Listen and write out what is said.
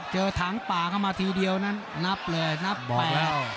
เจอถังป่าเข้ามาทีเดียวนั้นนับเลยนับแปด